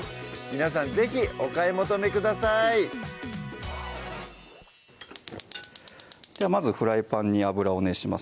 皆さん是非お買い求めくださいではまずフライパンに油を熱します